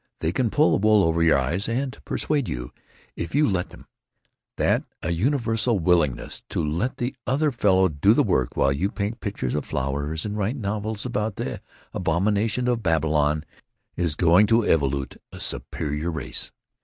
They can pull the wool over your eyes and persuade you—if you let them—that a universal willingness to let the other fellow do the work while you paint pictures of flowers and write novels about the abominations of Babylon is going to evolute a superior race!